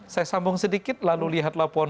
saya sambung sedikit lalu lihat laporan